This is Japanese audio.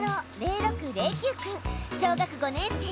小学５年生。